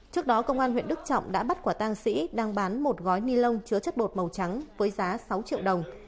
trước đó công an huyện đức trọng đã bắt quả tang sĩ đang bán một gói ni lông chứa chất bột màu trắng với giá sáu triệu đồng